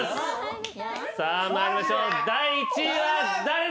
さあ参りましょう第１位は誰だ！？